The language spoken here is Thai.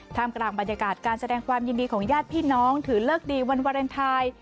กลางบรรยากาศการแสดงความยินดีของญาติพี่น้องถือเลิกดีวันวาเลนไทย